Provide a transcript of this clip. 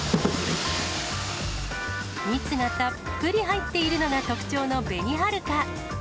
蜜がたっぷり入っているのが特徴のべにはるか。